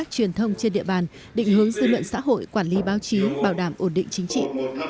chỉ bảo đảm ổn định chính trị